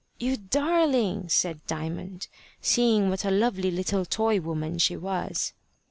"You darling!" said Diamond, seeing what a lovely little toy woman she was.